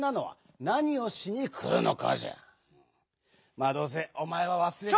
まあどうせおまえはわすれて。